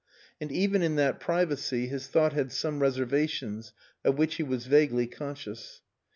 And even in that privacy, his thought had some reservations of which he was vaguely conscious.